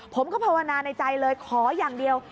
ภาวนาในใจเลยขออย่างเดียว